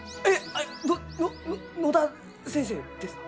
あどのの野田先生ですか？